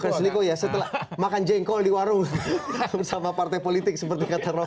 bukan selingkuh ya setelah makan jengkol di warung sama partai politik seperti kata roky